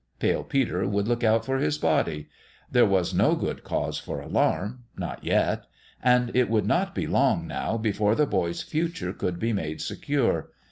Pale Peter would look out for his body. There was no good cause for alarm not yet. And it would not be long, now, before the boy's future could be made secure.